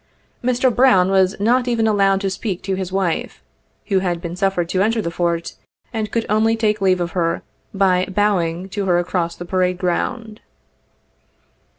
Mr. Brown was not even allowed to speak to his wife, who had been suffered to enter the Fort, and could only take leave of her by bowing to her across the parade ground.